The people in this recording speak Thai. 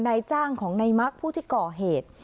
นายจ้างของนายมักผู้ที่ก่อเหตุ